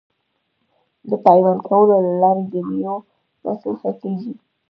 د پیوند کولو له لارې د میوو نسل ښه کیږي.